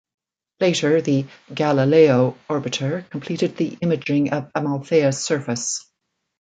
Later, the "Galileo" orbiter completed the imaging of Amalthea's surface.